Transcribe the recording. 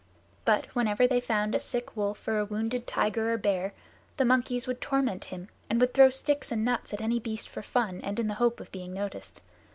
But whenever they found a sick wolf, or a wounded tiger, or bear, the monkeys would torment him, and would throw sticks and nuts at any beast for fun and in the hope of being noticed.